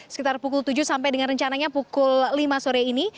sekitar pukul tujuh sampai dengan rencananya pukul lima sore ini